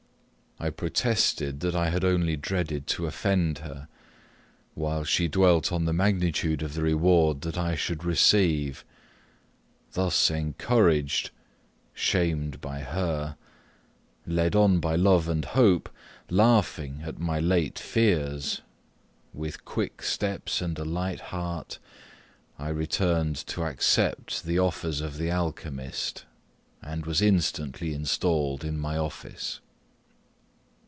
I protested that I had only dreaded to offend her; while she dwelt on the magnitude of the reward that I should receive. Thus encouraged shamed by her led on by love and hope, laughing at my late fears, with quick steps and a light heart, I returned to accept the offers of the alchymist, and was instantly installed in my office.